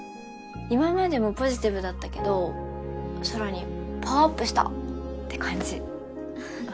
今までもポジティブだったけどさらにパワーアップしたって感じ